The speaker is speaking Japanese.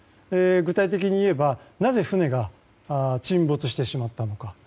具体的に言えばなぜ船が沈没してしまったのか。